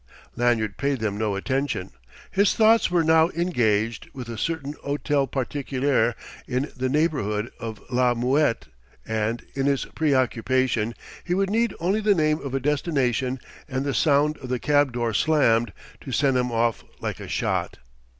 Lanyard paid them no attention. His thoughts were now engaged with a certain hôtel particulier in the neighbourhood of La Muette and, in his preoccupation, he would need only the name of a destination and the sound of the cab door slammed, to send him off like a shot.